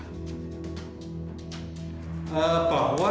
kepala dinas pertanian kota semarang